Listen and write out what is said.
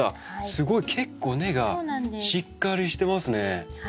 すごい結構根がしっかりしてますね。